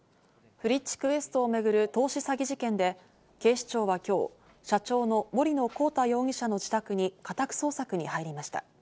ＦＲｉｃｈＱｕｅｓｔを巡る投資詐欺事件で、警視庁は今日、社長の森野広太容疑者の自宅に家宅捜索に入りました。